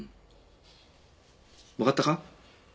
わかったか？